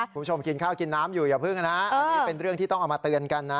คุณผู้ชมกินข้าวกินน้ำอยู่อย่าเพิ่งนะอันนี้เป็นเรื่องที่ต้องเอามาเตือนกันนะ